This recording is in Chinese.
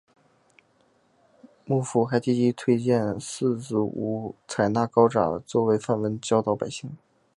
幕府还积极推荐寺子屋采纳高札作为范文教导百姓。